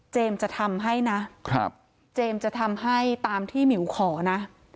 จะทำให้นะเจมส์จะทำให้ตามที่หมิวขอนะ